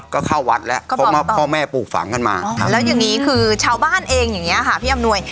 ก็เข้าวัดแล้วเพราะว่าพ่อแม่ปลูกฝังกันมาแล้วอย่างนี้คือชาวบ้านเองอย่างนี้ค่ะพี่อำนวย